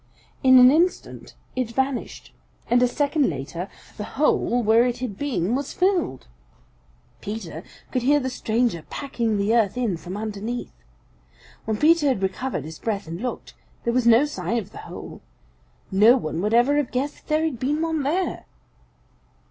In an instant it vanished, and a second later the hole where it had been was filled. Peter could hear the stranger packing the earth in from underneath. When Peter had recovered his breath and looked, there was no sign of the hole. No one would ever have guessed that there had been one there.